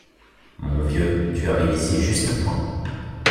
Mon vieux, tu arrives ici juste à point.